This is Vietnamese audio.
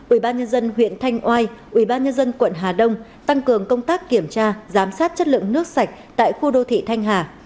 ubnd huyện thanh oai ubnd quận hà đông tăng cường công tác kiểm tra giám sát chất lượng nước sạch tại khu đô thị thanh hà